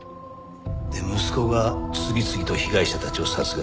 で息子が次々と被害者たちを殺害。